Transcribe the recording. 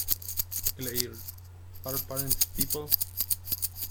Clair "Are Parents People?